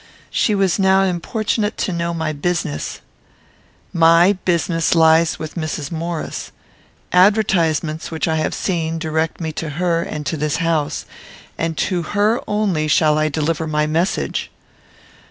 She was now importunate to know my business. "My business lies with Mrs. Maurice. Advertisements, which I have seen, direct me to her, and to this house; and to her only shall I deliver my message."